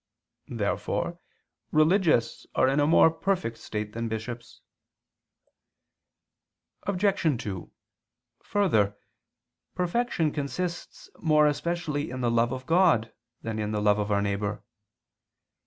Therefore religious are in a more perfect state than bishops. Obj. 2: Further, perfection consists more especially in the love of God than in the love of our neighbor.